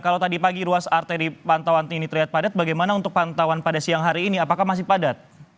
kalau tadi pagi ruas arteri pantauan ini terlihat padat bagaimana untuk pantauan pada siang hari ini apakah masih padat